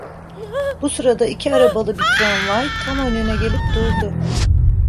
Bu sırada iki arabalı bir tramvay, tam önüne gelip durdu.